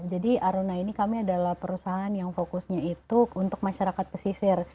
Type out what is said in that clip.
jadi aruna ini kami adalah perusahaan yang fokusnya itu untuk masyarakat pesisir